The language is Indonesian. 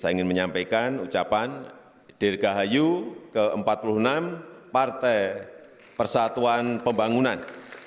saya ingin menyampaikan ucapan dirgahayu ke empat puluh enam partai persatuan pembangunan